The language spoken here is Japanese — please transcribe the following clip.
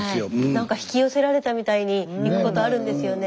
何か引き寄せられたみたいに行くことあるんですよね。